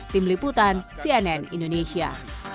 tim liputan cnn indonesia